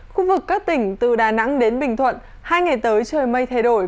khu vực các tỉnh từ đà nẵng đến bình thuận hai ngày tới trời mây thay đổi